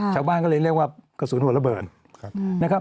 ชาวบ้านก็เลยเรียกว่ากระสุนหัวระเบิดนะครับ